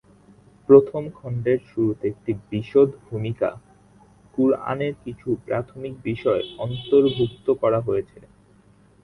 প্রথম খণ্ডের শুরুতে একটি বিশদ ভূমিকা, কুরআনের কিছু প্রাথমিক বিষয় অন্তর্ভুক্ত করা হয়েছে।